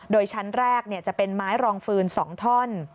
โดยชั้นแรกจะเป็นไม้รองฟืน๒ท่อน